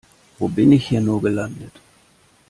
Wo bin ich hier nur gelandet?